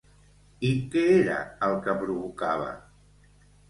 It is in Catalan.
I què era el que provocava?